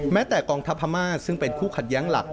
แม้แต่กองทัพพม่าซึ่งเป็นคู่ขัดแย้งหลัก